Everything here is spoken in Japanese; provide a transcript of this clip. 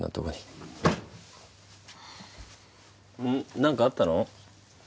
何かあったの？